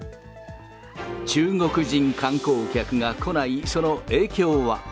中国人観光客が来ない、その影響は。